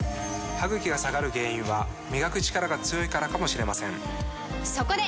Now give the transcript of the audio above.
歯ぐきが下がる原因は磨くチカラが強いからかもしれませんそこで！